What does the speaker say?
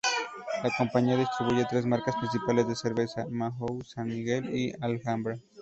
La compañía distribuye tres marcas principales de cerveza: Mahou, San Miguel y Alhambra.